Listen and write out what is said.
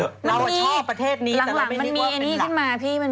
เราชอบประเทศนี้แต่ไม่นิดว่าเป็นหลัก